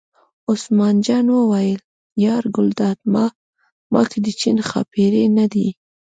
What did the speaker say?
عثمان جان وویل: یار ګلداد ماما که د چین ښاپېرۍ نه دي.